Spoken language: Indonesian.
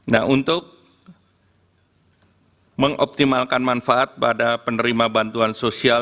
nah untuk mengoptimalkan manfaat pada penerima bantuan sosial